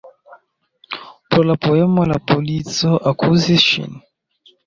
Pro la poemo la polico akuzis ŝin.